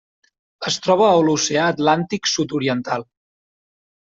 Es troba a l'Oceà Atlàntic sud-oriental: